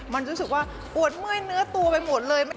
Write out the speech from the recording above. มันรู้สึกว่าปวดเมื่อยเนื้อตัวไปหมดเลย